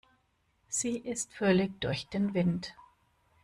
Sie ist völlig durch den Wind.